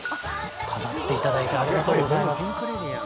飾っていただいてありがとうございます。